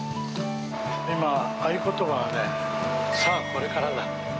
今、合言葉は、さあ、これからだ！